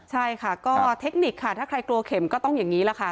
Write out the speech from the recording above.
ใช่ค่ะก็เทคนิคค่ะถ้าใครกลัวเข็มก็ต้องอย่างนี้แหละค่ะ